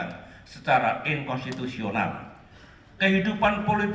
ini adalah hal yang sedang menyebayangkan